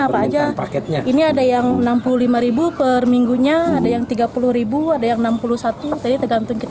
apa aja paketnya ini ada di mana mana ya ini ada di mana mana ya ini ada di mana mana ya ini ada di